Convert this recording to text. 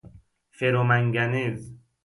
فرومنگنز